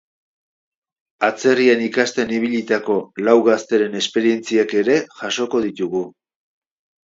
Atzerrian ikasten ibilitako lau gazteren esperientziak ere jasoko ditugu.